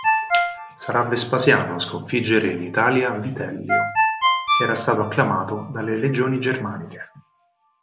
Sarà Vespasiano a sconfiggere in Italia Vitellio, che era stato acclamato dalle legioni germaniche.